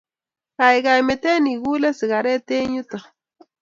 Kaikai metee igule sigaret eng yutok